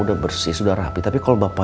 udah bersih sudah rapi tapi kalau bapak